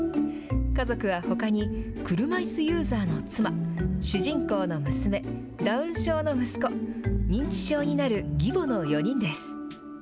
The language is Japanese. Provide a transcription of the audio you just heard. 家族はほかに、車いすユーザーの妻、主人公の娘、ダウン症の息子、認知症になる義母の４人です。